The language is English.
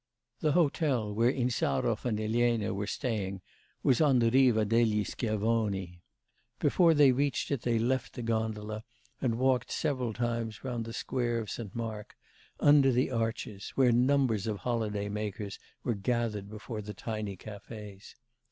The hotel where Insarov and Elena were staying was on the Riva dei Schiavoni; before they reached it they left the gondola, and walked several times round the Square of St. Mark, under the arches, where numbers of holiday makers were gathered before the tiny cafes.